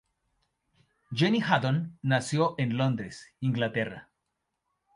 Jenny Haddon nació en Londres, Inglaterra.